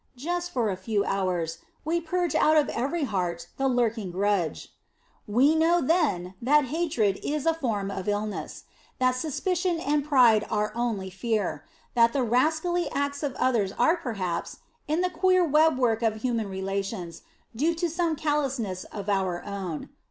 Just for a few hours we "purge out of every heart the lurking grudge." We know then that hatred is a form of illness; that suspicion and pride are only fear; that the rascally acts of others are perhaps, in the queer webwork of human relations, due to some calousness of our own.